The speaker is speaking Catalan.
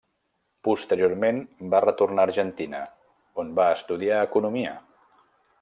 Posteriorment va retornar a Argentina, on va estudiar economia.